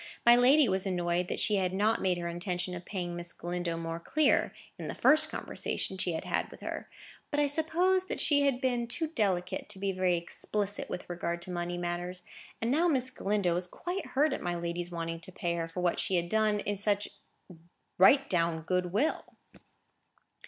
My lady was annoyed that she had not made her intention of paying Miss Galindo more clear, in the first conversation she had had with her; but I suppose that she had been too delicate to be very explicit with regard to money matters; and now Miss Galindo was quite hurt at my lady's wanting to pay her for what she had done in such right down good will.